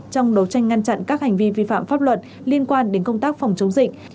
trong đấu tranh ngăn chặn các hành vi vi phạm pháp luật liên quan đến công tác phòng chống dịch